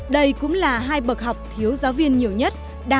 đây cũng là hai bậc học thiếu giáo viên nhiều nhất